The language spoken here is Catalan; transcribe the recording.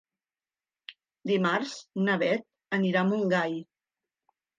Dimarts na Bet anirà a Montgai.